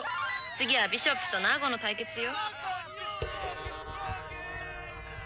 「次はビショップとナーゴの対決よ」